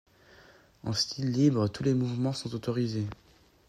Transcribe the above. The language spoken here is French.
En style libre, tous les mouvements sont autorisés.